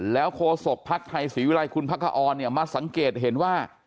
แล้วโฆษกภัฏไทยศรีวิรัยคุณพระคอร์เนี่ยมาสังเกตเห็นว่า